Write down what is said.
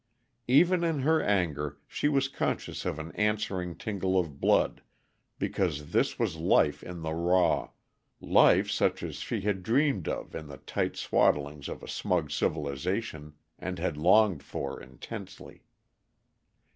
Even in her anger, she was conscious of an answering tingle of blood, because this was life in the raw life such as she had dreamed of in the tight swaddlings of a smug civilization, and had longed for intensely.